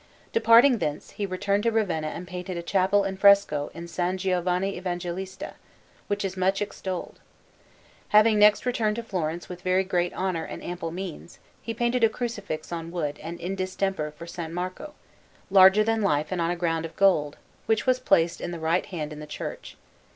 Departing thence, he returned to Ravenna and painted a chapel in fresco in S. Giovanni Evangelista, which is much extolled. Having next returned to Florence with very great honour and ample means, he painted a Crucifix on wood and in distemper for S. Marco, larger than life and on a ground of gold, which was placed on the right hand in the church.